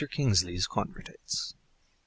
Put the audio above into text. KINGSLEY'S CONVERTITES (1865.)